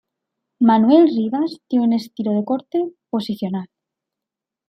Manuel Rivas tiene un estilo de corte posicional.